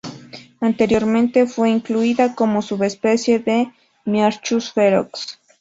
Anteriormente fue incluida como subespecie de "Myiarchus ferox".